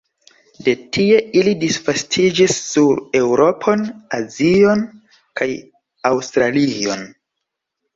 De tie ili disvastiĝis sur Eŭropon, Azion kaj Aŭstralion.